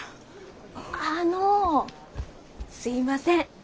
あのすいません「ばえー！」